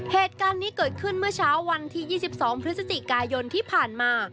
เหตุการณ์นี้เกิดขึ้นเมื่อเช้าวันที่๒๒พฤศจิกายนที่ผ่านมา